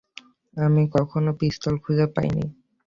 আমি কোনও পিস্তল খুঁজে পাইনি!